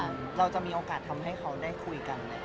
เราจะมีโอกาสทำให้เขาได้คุยกัน